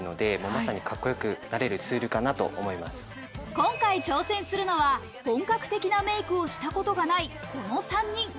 今回挑戦するのは、本格的なメイクをしたことがない、この３人。